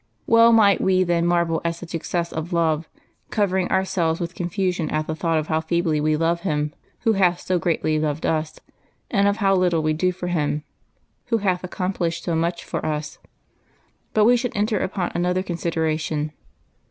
Well might we then marvel at such excess of love, covering ourselves with confusion at the thought of how feebly we love Him Who hath so greatly loved us, and of how little we do for Him Who hath accomplished so much for us. But we should enter upon another consideration.